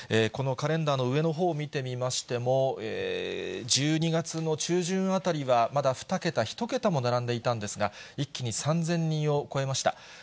このカレンダーの上のほうを見てみましても、１２月の中旬あたりは、まだ２桁、１桁も並んでいたんですが、一気に３０００人を超えました。